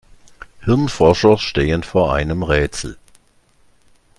Hirnforscher stehen vor einem Rätsel.